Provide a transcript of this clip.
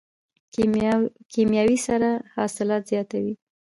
کیمیاوي سره حاصلات زیاتوي.